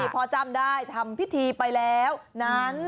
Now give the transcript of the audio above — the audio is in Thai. จ้ำได้ทำพิธีไปแล้วนั้น